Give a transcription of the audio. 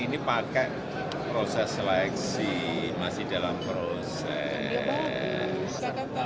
ini pakai proses seleksi masih dalam proses